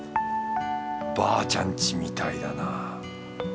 ばあちゃんちみたいだなぁ。